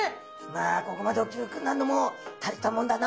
まあここまで大きくなるのも大したもんだな。